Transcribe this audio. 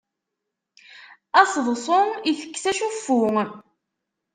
Aseḍsu itekkes acuffu.